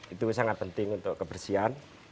itu sangat penting untuk kebersihan